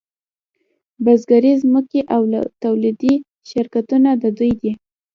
د بزګرۍ ځمکې او تولیدي شرکتونه د دوی دي